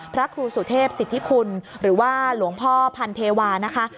พระครูสุเทพสิทธิคุณหรือว่าหลวงพ่อพันเทวานะคะ